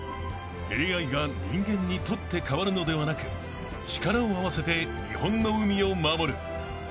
［ＡＩが人間に取って代わるのではなく力を合わせて日本の海を守る］